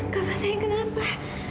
kau pasti kenapa